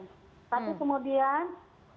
tapi kemudian ini kita ubah